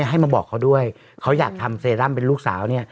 ให้มาบอกเขาด้วยเขาอยากทำเซรั่มเป็นลูกสาวเนี่ย